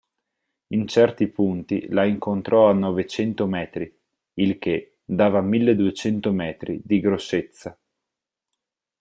In certi punti la incontrò a novecento metri, il che dava milleduecento metri di grossezza.